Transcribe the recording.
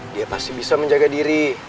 dia pasti bisa menjaga diri